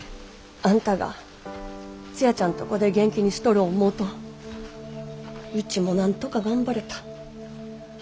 あんたがツヤちゃんとこで元気にしとる思うとウチもなんとか頑張れた。